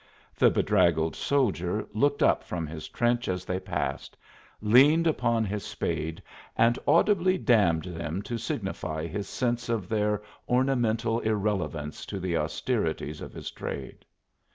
The bedraggled soldier looked up from his trench as they passed, leaned upon his spade and audibly damned them to signify his sense of their ornamental irrelevance to the austerities of his trade.